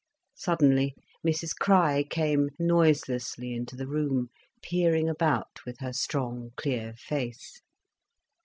Suddenly Mrs Crich came noiselessly into the room, peering about with her strong, clear face.